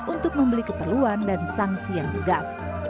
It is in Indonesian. untuk membeli keterluan dan sanksi yang bergas